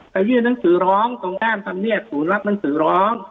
ขอยื่นหนังสือร้องตรงกร่านศัมเนียศสู่รับนังสือร้อง